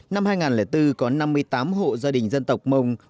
năm hai nghìn bốn có năm mươi tám hộ gia đình dân tộc mông